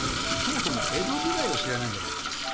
そもそも江戸時代を知らないんじゃないかな。